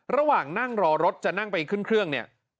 ระหว่างนั่งรอรถจะนั่งไปขึ้นเครื่องเนี่ย